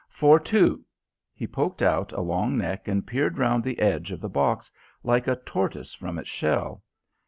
"For two." He poked out a long neck and peered round the edge of the box, like a tortoise from its shell.